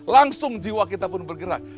langsung jiwa kita pun bergerak